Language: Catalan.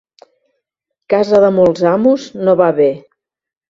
Casa de molts amos no va bé.